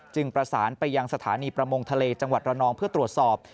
ประสานไปยังสถานีประมงทะเลจังหวัดระนองเพื่อตรวจสอบ